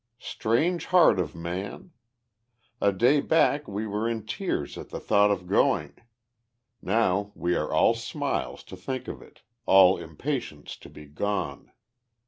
Strange heart of man! A day back we were in tears at the thought of going. Now we are all smiles to think of it, all impatience to be gone.